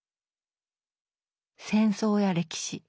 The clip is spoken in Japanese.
戦争や歴史。